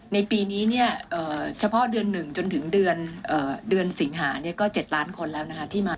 ในปีนี้เฉพาะเดือนหนึ่งจนถึงเดือนสิงหา๗ล้านคนแล้วที่มา